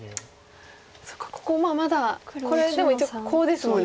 そっかここまだこれでも一応コウですもんね。